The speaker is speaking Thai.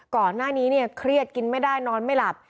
ก่อนหน้านี้เนี่ยเครียดกินไม่ได้นอนไม่หลับ